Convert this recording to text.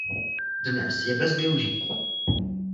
Dnes je bez využití.